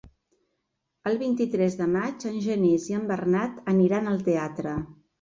El vint-i-tres de maig en Genís i en Bernat aniran al teatre.